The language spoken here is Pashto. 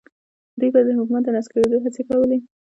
دوی به د حکومت د نسکورېدو هڅې کولې.